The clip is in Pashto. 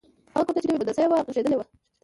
هغه کوټه چې نوې موندل شوې وه، غږېدلې وه.